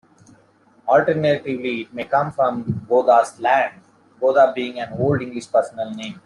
Alternatively, it may come from 'Goda's land', Goda being an Old English personal name.